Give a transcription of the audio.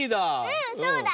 うんそうだよ。